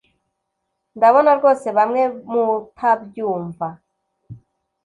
ndabona rwose bamwe mutabyumva